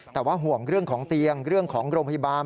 แต่ว่าห่วงเรื่องของเตียงเรื่องของโรงพยาบาล